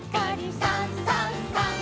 「さんさんさん」